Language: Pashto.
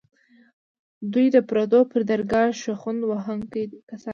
دوی د پردو پر درګاه شخوند وهونکي کسان دي.